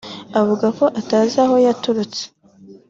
avuga ko atazi aho yaturutse